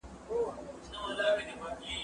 زه اوږده وخت کتابونه وړم وم.